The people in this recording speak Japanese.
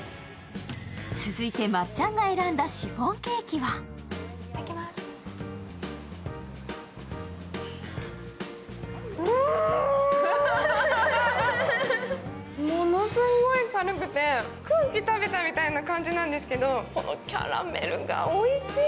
続いてまっちゃんが選んだシフォンケーキはものすごい軽くて空気食べてるみたいな感じなんですけどキャラメルがおいしい。